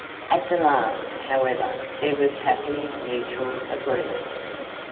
At the last, however, there was happily mutual agreement.